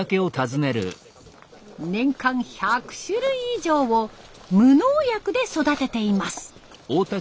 年間１００種類以上を無農薬で育てています。